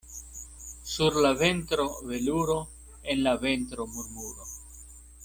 Sur la ventro veluro, en la ventro murmuro.